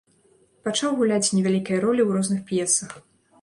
Пачаў гуляць невялікія ролі ў розных п'есах.